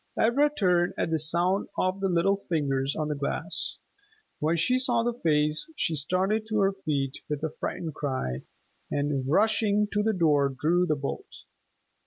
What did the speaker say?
Ivra turned at the sound of the little fingers on the glass. When she saw the face, she started to her feet with a frightened cry, and rushing to the door, drew the bolt.